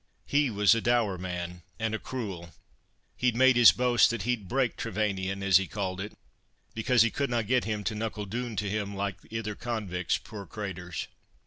He was a dour man and a cruel; he'd made his boast that he'd 'break' Trevanion, as he called it, because he couldna get him to knuckle doon to him like ither convicts, puir craters!